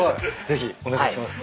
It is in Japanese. ぜひお願いします。